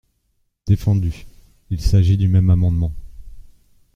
Défendu : il s’agit du même amendement.